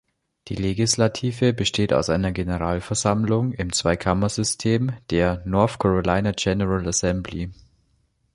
Die Legislative besteht aus einer Generalversammlung im Zweikammersystem, der "North Carolina General Assembly".